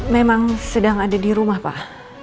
memang sedang ada di rumah pak